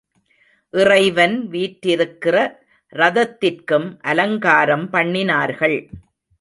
இறைவன் வீற்றிருக்கிற ரதத்திற்கும் அலங்காரம் பண்ணினார்கள்.